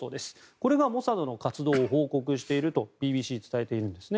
これがモサドの活動を報告しているとＢＢＣ、伝えているんですね。